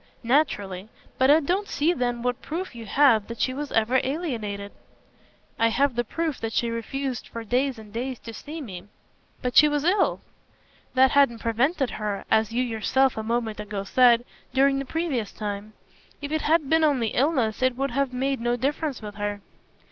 "Naturally. But I don't see then what proof you have that she was ever alienated." "I have the proof that she refused for days and days to see me." "But she was ill." "That hadn't prevented her as you yourself a moment ago said during the previous time. If it had been only illness it would have made no difference with her."